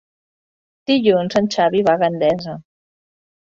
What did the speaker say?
Dilluns en Xavi va a Gandesa.